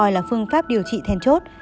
gọi là phương pháp điều trị then chốt